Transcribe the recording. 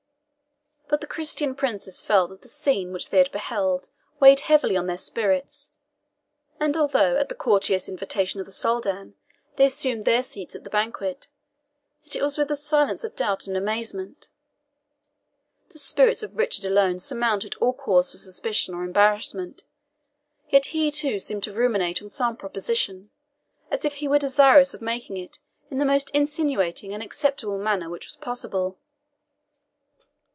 But the Christian princes felt that the scene which they had beheld weighed heavily on their spirits, and although, at the courteous invitation of the Soldan, they assumed their seats at the banquet, yet it was with the silence of doubt and amazement. The spirits of Richard alone surmounted all cause for suspicion or embarrassment. Yet he too seemed to ruminate on some proposition, as if he were desirous of making it in the most insinuating and acceptable manner which was possible.